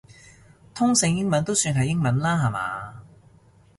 通勝英文都算係英文啦下嘛